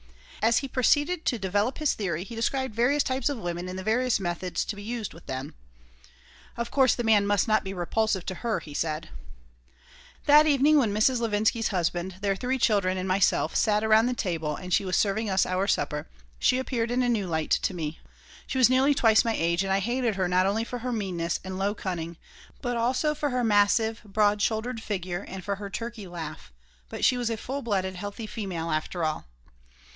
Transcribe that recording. As he proceeded to develop his theory he described various types of women and the various methods to be used with them "Of course, the man must not be repulsive to her," he said That evening, when Mrs. Levinsky's husband, their three children, and myself sat around the table and she was serving us our supper she appeared in a new light to me. She was nearly twice my age and I hated her not only for her meanness and low cunning, but also for her massive, broad shouldered figure and for her turkey laugh, but she was a full blooded, healthy female, after all.